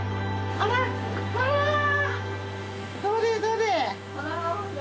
ああどれどれ。